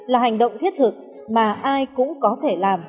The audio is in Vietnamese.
là hành động thiết thực mà ai cũng có thể làm